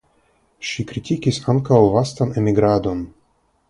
Ŝi kritikis ankaŭ vastan emigradon.